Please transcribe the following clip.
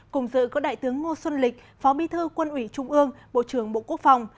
cùng dự có đại tướng ngô xuân lịch phó bi thư quân ủy trung ương bộ trưởng bộ quốc phòng